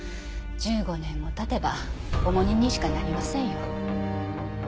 １５年も経てば重荷にしかなりませんよ。